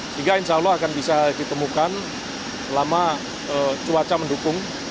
sehingga insya allah akan bisa ditemukan selama cuaca mendukung